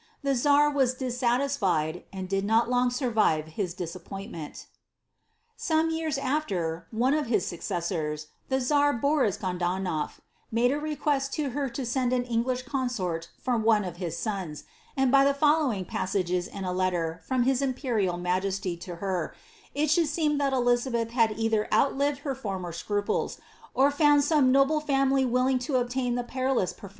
The czar was dissalislied, and did not lonf survive his disappointmenL' Some years after, one of his successors, the czar Boris Godonoul made a request lo her to send an English consort for one of his soni and by the following passages in a letter from his imperial majeslv K her, it should seem that Elizabeth had either outlived her forme scruples, or found some noble lamily willing to obtain the perilous pre 'MurJtn'B Stale Pspets, 397.